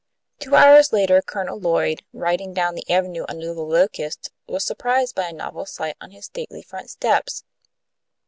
Two hours later, Colonel Lloyd, riding down the avenue under the locusts, was surprised by a novel sight on his stately front steps.